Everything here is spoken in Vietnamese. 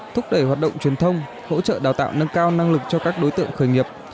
thúc đẩy hoạt động truyền thông hỗ trợ đào tạo nâng cao năng lực cho các đối tượng khởi nghiệp